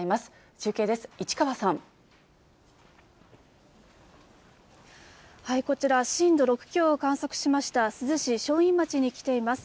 中継です、こちら、震度６強を観測しました珠洲市正院町に来ています。